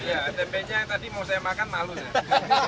iya tempenya yang tadi mau saya mangkokin